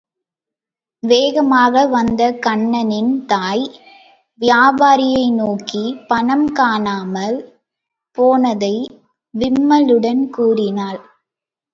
வேகமாக வந்த கண்ணனின் தாய், வியாபாரியை நோக்கி பணம் காணாமல் போனதை விம்மலுடன் கூறினாள்.